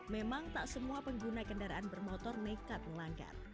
memang tak semua pengguna kendaraan bermotor nekat melanggar